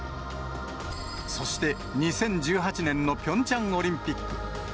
そして２０１８年のピョンチャンオリンピック。